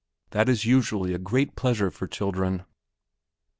That is usually a great pleasure for children.